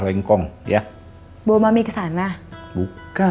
rengkong ya bawa mami ke sana bukannya